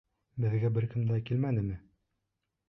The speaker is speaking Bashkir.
Беҙгә бер кем дә килмәнеме?